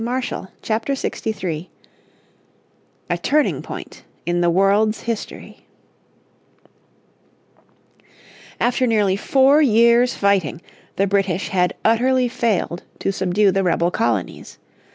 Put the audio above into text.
__________ Chapter 63 A Turning Point in the World's History After nearly four years' fighting the British had utterly failed to subdue the rebel colonies.